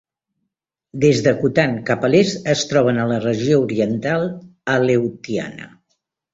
Des d'Akutan cap a l'est es troben a la regió oriental Aleutiana.